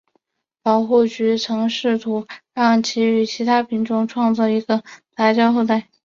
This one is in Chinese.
保护局曾试图让其与其它品种创造一个杂交后代。